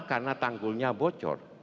karena tanggulnya bocor